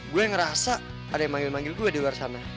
gue ngerasa ada yang manggil manggil juga di luar sana